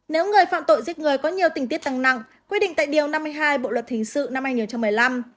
nếu người phạm tội giết người có nhiều tình tiết tăng nặng quy định tại điều năm mươi hai bộ luật hình sự năm hai nghìn một mươi năm